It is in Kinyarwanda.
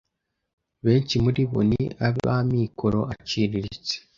benshi muri bo ni ab'amikoro aciriritse,